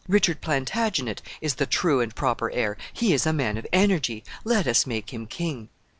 Richard Plantagenet is the true and proper heir. He is a man of energy. Let us make him king."